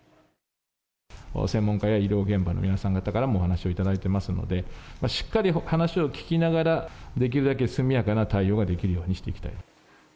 専門家や医療現場の皆さん方からも、お話を頂いてますので、しっかり話を聞きながら、できるだけ速やかな対応ができるようにしていきたい。